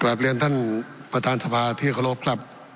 กราบเรียนท่านประธานสภาที่โคลกครับ